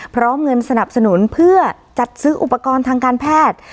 พร้อมเงินสนับสนุนเพื่อจัดซื้ออุปกรณ์ทางการแพทย์